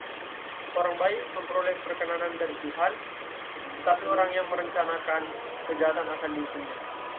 Orang baik memperoleh perkenanan dari Tuhan, tetapi orang yang merencanakan kejahatan akan dihukum-Nya.